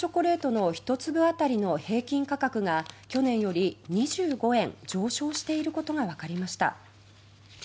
ブランドチョコレートの１粒あたりの平均価格が去年より２５円上昇していることがわかりました。